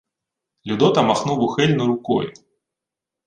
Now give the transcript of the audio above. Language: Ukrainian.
Людота махнув ухильно рукою.